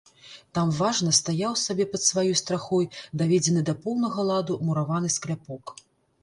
Там важна стаяў сабе пад сваёй страхой даведзены да поўнага ладу мураваны скляпок.